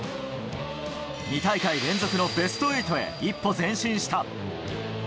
２大会連続のベスト８へ一歩前進した。